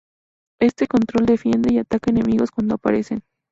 Este control defiende y ataca enemigos cuando aparecen.